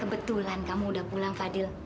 kebetulan kamu udah pulang fadil